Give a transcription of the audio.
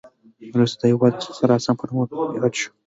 وروسته دا هیواد د خراسان په نوم یاد شو